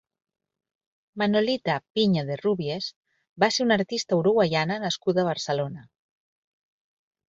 Manolita Piña de Rubies va ser una artista uruguaiana nascuda a Barcelona.